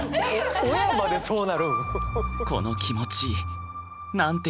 親までそうなるん？